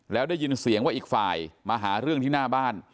แล้วได้ยินเสียงว่าอีกฝ่ายมาหาเรื่องที่หน้าบ้าน